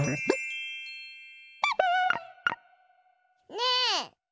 ねえ！